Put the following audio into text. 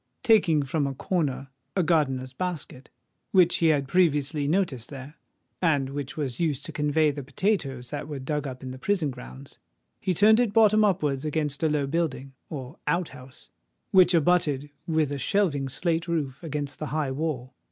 Taking from a corner a gardener's basket, which he had previously noticed there, and which was used to convey the potatoes that were dug up in the prison grounds, he turned it bottom upwards against a low building, or out house, which abutted with a shelving slate roof against the high wall.